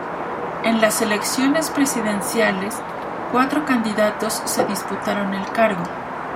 En las elecciones presidenciales, cuatro candidatos se disputaron el cargo.